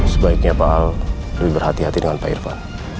sebaiknya pak al lebih berhati hati dengan pak irfan